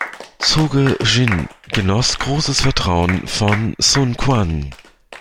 Zhuge Jin genoss großes Vertrauen von Sun Quan.